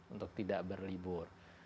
untuk tidak berlibur